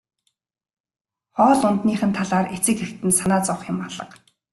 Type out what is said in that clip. Хоол ундных нь талаар эцэг эхэд нь санаа зовох юм алга.